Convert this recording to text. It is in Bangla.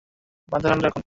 মাথা ঠান্ডা রাখুন!